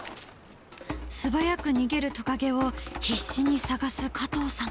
すばやく逃げるトカゲを必死に探す加藤さん。